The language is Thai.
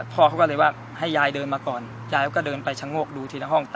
พ่อเขาก็เลยว่าให้ยายเดินมาก่อนยายเขาก็เดินไปชะโงกดูทีละห้อง